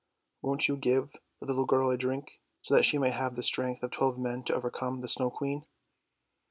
Won't you give the little girl a drink, so that she may have the strength of twelve men to overcome the Snow Queen?"